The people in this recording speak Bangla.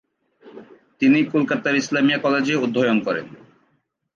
তিনি কলকাতার ইসলামিয়া কলেজে অধ্যয়ন করেন।